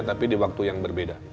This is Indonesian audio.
tapi di waktu yang berbeda